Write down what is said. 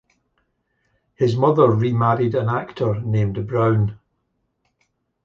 His mother remarried an actor named Brown.